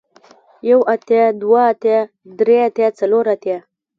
يو اتيا دوه اتيا درې اتيا څلور اتيا